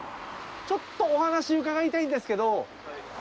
ちょっとお話伺いたいんですけど。